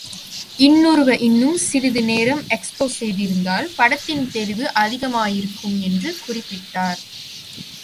இன்னொருவ இன்னும் சிறிது நேரம் எக்ஸ்போஸ் செய்திருந்தால் படத்தின் தெளிவு அதிகமாயிருக்கும் என்று குறிப்பிட்டார்.